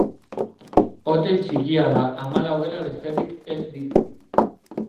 Hotel txikia da, hamalau gela besterik ez ditu.